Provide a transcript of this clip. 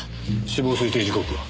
死亡推定時刻は？